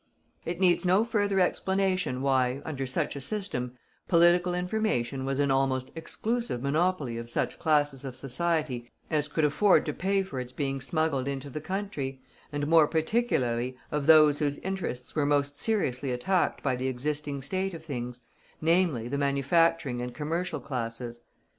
It needs no further explanation why, under such a system, political information was an almost exclusive monopoly of such classes of society as could afford to pay for its being smuggled into the country, and more particularly of those whose interests were most seriously attacked by the existing state of things, namely, the manufacturing and commercial classes.